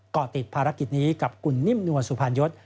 เกาะติดภารกิจนี้กับคุณนิ่มนวลสุพรรณยศ